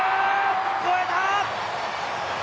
越えた！